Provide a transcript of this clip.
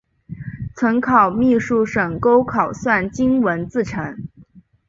曾任秘书省钩考算经文字臣。